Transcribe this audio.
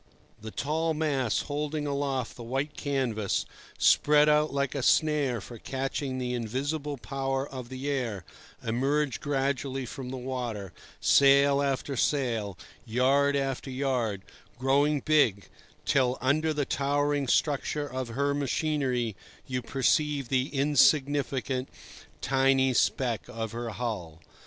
The tall masts holding aloft the white canvas, spread out like a snare for catching the invisible power of the air, emerge gradually from the water, sail after sail, yard after yard, growing big, till, under the towering structure of her machinery, you perceive the insignificant, tiny speck of her hull.